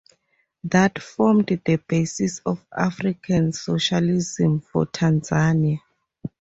That formed the basis of African socialism for Tanzania.